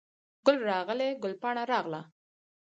ګل راغلی، ګل پاڼه راغله